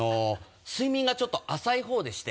睡眠がちょっと浅いほうでして。